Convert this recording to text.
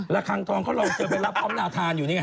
แล้วคางทองเขาลงเจอไปรับพร้อมนาทานอยู่เนี่ย